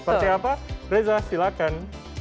seperti apa reza silahkan